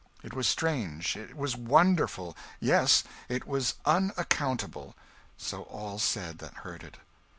It was strange; it was wonderful; yes, it was unaccountable so all said that heard it.